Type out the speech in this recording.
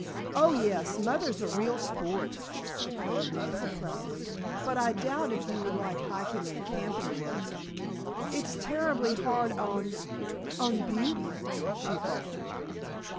"Oh, yes. Mother's a real sport," declared Nancy proudly. "But I doubt if you would like hiking and camping, Rosa. It's terribly hard on on beauty," she faltered.